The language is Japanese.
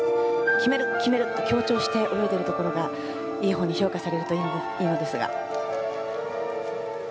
決める、決めると強調して泳いでいるところがいいほうに評価されるといいのですが。